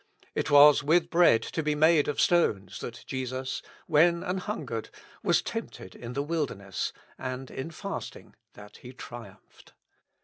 It was with bread to be made of stones that Jesus, when an hun gered, was tempted in the wilderness, and in fasting that He triumphed.